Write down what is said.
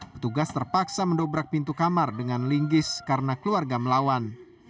petugas terpaksa mendobrak pintu kamar dengan linggis karena keluarga melawan